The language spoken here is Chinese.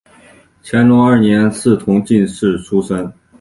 隆兴二年赐同进士出身。